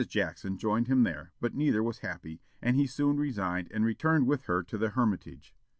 Jackson joined him there, but neither was happy, and he soon resigned, and returned with her to the Hermitage.